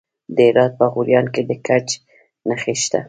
د هرات په غوریان کې د ګچ نښې شته.